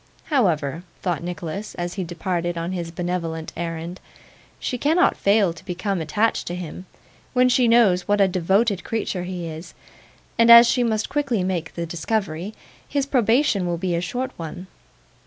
'However,' thought Nicholas as he departed on his benevolent errand; 'she cannot fail to become attached to him, when she knows what a devoted creature he is, and as she must quickly make the discovery, his probation will be a short one.